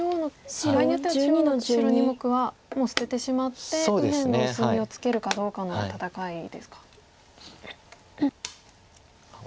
場合によっては中央の白２目はもう捨ててしまって右辺の薄みをつけるかどうかの戦いですか。